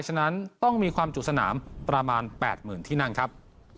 ฉะนั้นต้องมีความจุสนามประมาณ๘๐๐๐ที่นั่งครับ